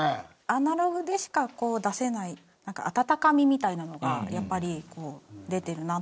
アナログでしか出せない温かみみたいなのがやっぱり出てるなって思います。